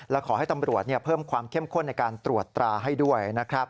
และขอให้ตำรวจเพิ่มความเข้มข้นในการตรวจตราให้ด้วยนะครับ